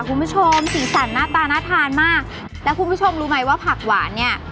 คุณผู้ชมสีสันหน้าตาน่าทานมากแล้วคุณผู้ชมรู้ไหมว่าผักหวานเนี่ย